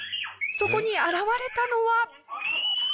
そこに現れたのは。